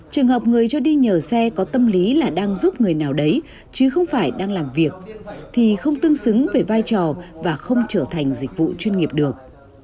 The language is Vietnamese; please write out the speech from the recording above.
trường hợp người cho đi nhờ xe có tâm lý là đang giúp người nào đấy chứ không phải đang làm việc thì không tương xứng về vai trò và không trở thành dịch vụ chuyên nghiệp được